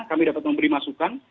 kami dapat memberi masukan